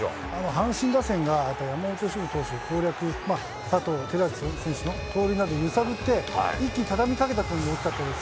阪神打線が、山本由伸投手攻略、選手の盗塁などで揺さぶって、一気に畳みかけたのがよかったです。